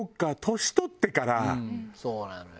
そうなのよ。